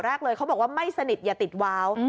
แรกเลยเขาบอกว่าไม่สนิทอย่าติดว้าว